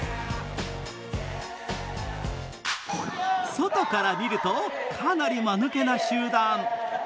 外から見ると、かなりまぬけな集団。